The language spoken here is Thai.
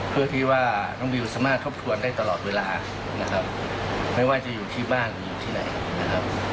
เพื่อที่ว่าน้องบิวสามารถทบทวนได้ตลอดเวลานะครับไม่ว่าจะอยู่ที่บ้านอยู่ที่ไหนนะครับ